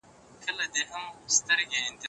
دا طريقه روښانه پايلې ورکوي.